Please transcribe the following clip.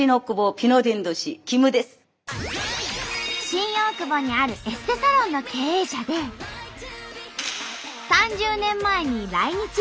新大久保にあるエステサロンの経営者で３０年前に来日。